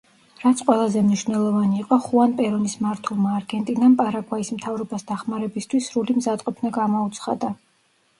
რაც ყველაზე მნიშვნელოვანი იყო, ხუან პერონის მართულმა არგენტინამ პარაგვაის მთავრობას დახმარებისთვის სრული მზადყოფნა გამოუცხადა.